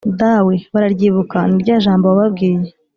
dawe, bararyibuka rirya jambo wababwiye